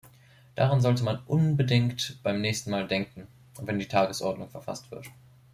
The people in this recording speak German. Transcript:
Daran sollte man unbedingt beim nächsten Mal denken, wenn die Tagesordnung verfasst wird.